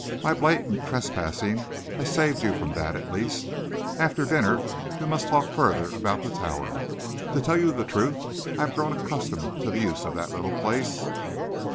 My blatant trespassing has saved you from that, at least. After dinner we must talk further about the Tower. To tell you the truth, I have grown accustomed to the use of the little place."